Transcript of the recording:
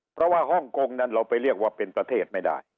เพราะว่าฮ่องกงนั้นเราไปเรียกว่าเป็นประเทศไม่ได้